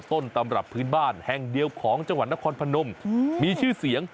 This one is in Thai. ต้นตำรับพื้นบ้านแห่งเดียวของจังหวัดนครพนมมีชื่อเสียง